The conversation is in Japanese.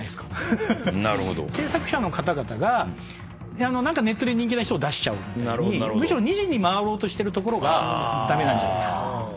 制作者の方々がネットで人気の人を出しちゃおうみたいに二次に回ろうとしてるところが駄目なんじゃないかなと思います。